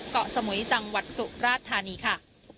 เกาะสมุยจังหวัดสุราธานีค่ะ